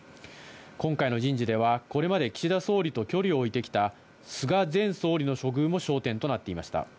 今回の人事では、これまで岸田総理と距離を置いてきた菅前総理の処遇も焦点となっていました。